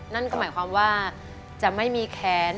นั่นก็หมายความว่าจะไม่มีแขน